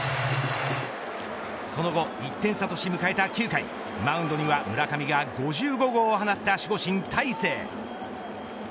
その後、１点差とし迎えた９回マウンドには村上が５５号を放った守護神、大勢。